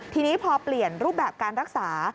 ทีนี้พอเปลี่ยนรูปแบบการรักษา